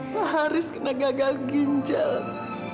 pak haris kena gagal ginjal